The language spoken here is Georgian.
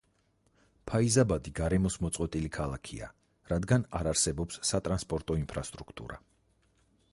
ფაიზაბადი გარემოს მოწყვეტილი ქალაქია რადგანაც არ არსებობს სატრანსპორტო ინფრასტრუქტურა.